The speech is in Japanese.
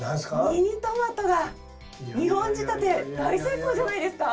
ミニトマトが２本仕立て大成功じゃないですか。